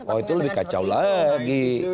oh itu lebih kacau lagi